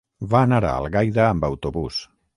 Va anar a Algaida amb autobús.